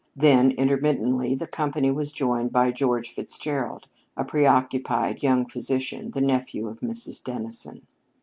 Then, intermittently, the company was joined by George Fitzgerald, a preoccupied young physician, the nephew of Mrs. Dennison.